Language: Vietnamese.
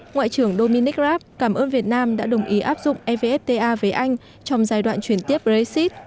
ngoại trưởng dominic raab cảm ơn việt nam đã đồng ý áp dụng evfta với anh trong giai đoạn chuyển tiếp brexit